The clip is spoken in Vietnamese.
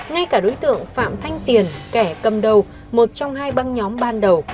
ngay cả đối tượng phạm thanh tiền kẻ cầm đầu một trong hai băng nhóm ban đầu